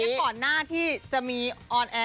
อันนี้เป็นก่อนหน้าที่จะมีออนแอร์